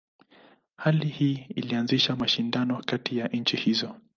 Hali hii ilianzisha mashindano kati ya nchi hizo.